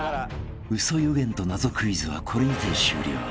［嘘予言と謎クイズはこれにて終了］